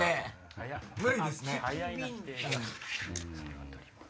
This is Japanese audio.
無理ですね。